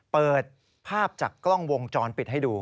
เปิดภาพจากกล้องวงจรปิดให้ดู